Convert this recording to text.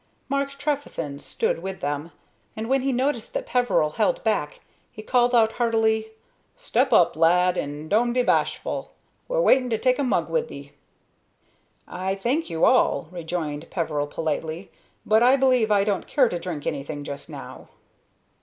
Mark Trefethen stood with them, and when he noticed that Peveril held back, he called out, heartily, "Step up, lad, and doan't be bashful. We're waiting to take a mug wi' thee." "I thank you all," rejoined Peveril, politely, "but I believe I don't care to drink anything just now."